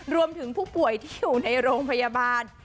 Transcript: รวมถึงผู้ป่วยที่อยู่ในโรงพยาบาล